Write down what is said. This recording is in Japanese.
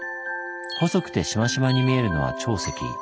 細くてしましまに見えるのは長石。